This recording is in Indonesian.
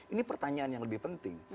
ini pertanyaan yang lebih penting